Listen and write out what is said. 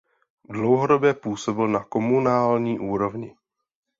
Dlouhodobě působil na komunální úrovni.